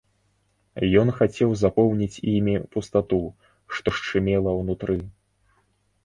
Ён хацеў запоўніць імі пустату, што шчымела ўнутры.